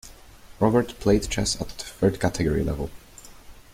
Rogard played chess at third category level.